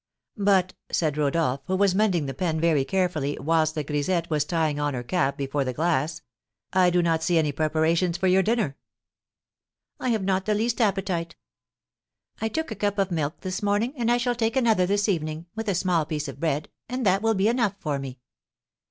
"But," said Rodolph, who was mending the pen very carefully, whilst the grisette was tying on her cap before the glass, "I do not see any preparations for your dinner." "I have not the least appetite. I took a cup of milk this morning, and I shall take another this evening, with a small piece of bread, and that will be enough for me."